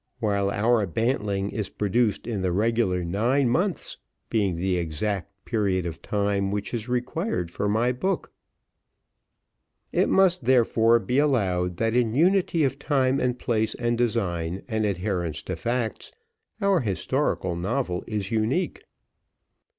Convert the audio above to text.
while our bantling is produced in the regular nine months, being the exact period of time which is required for my three volumes. It must, therefore, be allowed that in unity of time, and place and design, and adherence to facts, our historical novel is unique.